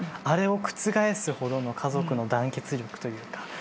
あれを覆すほどの家族の団結力というか。